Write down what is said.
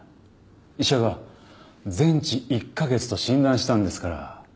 医者が全治１カ月と診断したんですから。